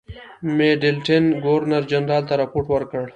میډلټن ګورنرجنرال ته رپوټ ورکړ.